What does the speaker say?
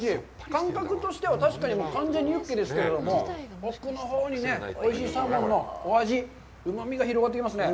感覚としては確かに完全にユッケですけれども、奥のほうにおいしいサーモンのお味、うまみが広がってきますね。